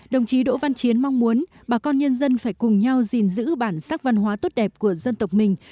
đồng chí đỗ văn chiến mong muốn bà con nhân dân phải cùng nhau gìn giữ bản sắc văn hóa tốt đẹp của dân tộc mình